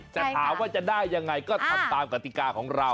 แต่ถามว่าจะได้ยังไงก็ทำตามกติกาของเรา